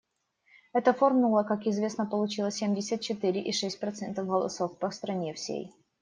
Эта формула, как известно, получила семьдесят четыре и шесть процентов голосов по стране всей.